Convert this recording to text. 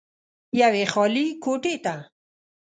يوې خالې کوټې ته